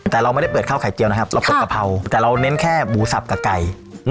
แต่เราไม่ได้เปิดข้าวไข่เจียวนะครับเราเปิดกะเพราแต่เราเน้นแค่หมูสับกับไก่